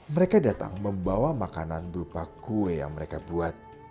mereka datang membawa makanan berupa kue yang mereka buat